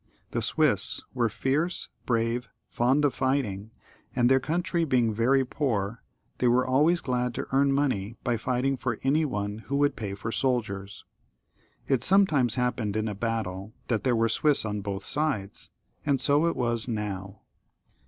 The Swiss were fierce, brave, fond of fighting, and their country being very poor they were always glad to earn money by fighting for any one who would pay for soldiers. It sometimes happened in a battle that there were Swiss on both sides, and so it was now.